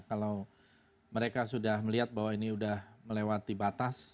kalau mereka sudah melihat bahwa ini sudah melewati batas